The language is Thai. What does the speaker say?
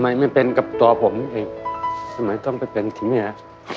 มันไม่เป็นกับตัวผมเองสมัยต้องไปเป็นทีนี้นะ